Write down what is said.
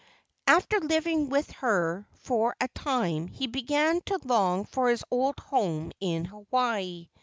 After living with her for a time he began to long for his old home in Hawaii.